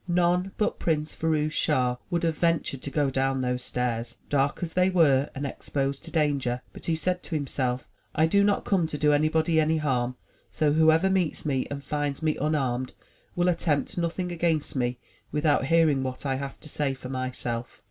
None but Prince Firouz Schah would have ventured to go down those stairs, dark as they were, and exposed to danger. But he said to himself; "I do not come to do anybody any harm, so whoever meets me and finds me unarmed will attempt nothing against me without hearing what I have to say for my self.'